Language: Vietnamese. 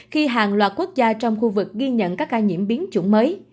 khi hàng loạt quốc gia trong khu vực ghi nhận các ca nhiễm biến chủng mới